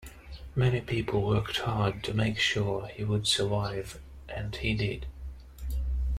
Many people worked hard to make sure he would survive and he did.